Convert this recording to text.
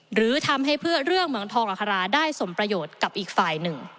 หรือทำให้เพื่อเรื่องเหมืองทองอัคราได้สมประโยชน์กับอีกฝ่ายหนึ่ง